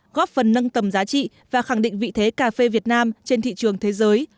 góp phần nâng tầm giá trị và khẳng định vị thế cà phê việt nam trên thị trường thế giới